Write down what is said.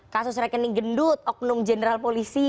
kasus rekening gendut oknum general polisi